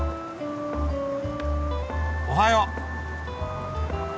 おはよう。